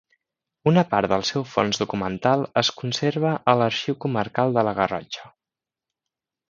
Una part del seu fons documental es conserva a l'Arxiu Comarcal de la Garrotxa.